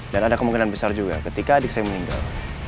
dan ada kemungkinan besar juga ketika adik saya meninggal